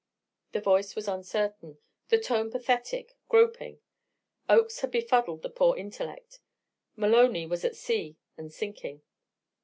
The voice was uncertain; the tone pathetic, groping. Oakes had befuddled the poor intellect. Maloney was at sea and sinking.